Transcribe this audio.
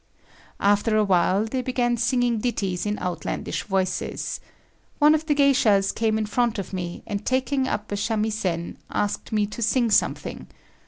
After a while, they began singing ditties in outlandish voices. One of the geishas came in front of me, and taking up a samisen, asked me to sing something.